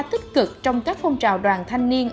tích cực trong các phong trào đoàn thanh niên